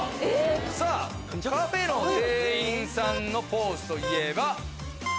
さぁカフェの店員さんのポーズといえば？